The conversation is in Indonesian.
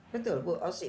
betul bu ausi